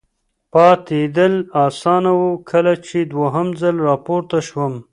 پاتېدل اسانه و، کله چې دوهم ځل را پورته شوم.